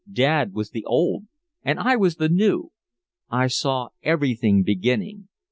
Dad was the Old and I was the New. I saw everything beginning.